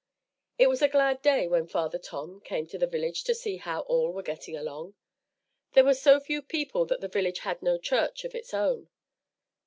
It was a glad day when Father Tom came to the village to see how all were getting along. There were so few people that the village had no church of its own.